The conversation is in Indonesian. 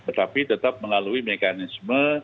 tetapi tetap melalui mekanisme